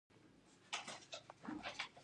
زما سر اوږېره په زندان کې ډیر ببر شوي وو.